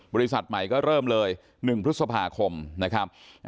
บริษัทใหม่ก็เริ่มเลย๑พฤษภาคมนะครับ